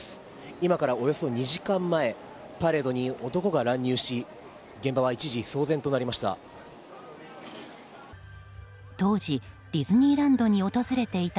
今からおよそ２時間前パレードに男が乱入し現場は一時騒然となりました。